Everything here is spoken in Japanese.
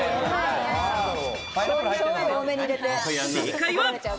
正解は。